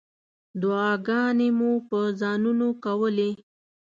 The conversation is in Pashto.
دعاګانې مو په ځانونو کولې.